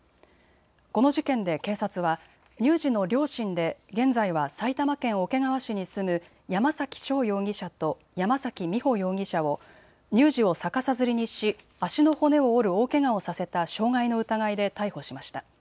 この事件で警察は乳児の両親で現在は埼玉県桶川市に住む山崎翔容疑者と山崎美穂容疑者を乳児を逆さづりにし足の骨を折る大けがをさせた傷害の疑いで逮捕しました。